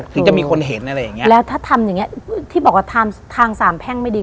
ถึงจะมีคนเห็นอะไรอย่างเงี้ยแล้วถ้าทำอย่างเงี้ยที่บอกว่าทำทางสามแพ่งไม่ดี